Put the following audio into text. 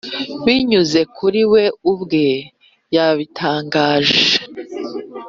binyuze kuri we ubwe yabitangaje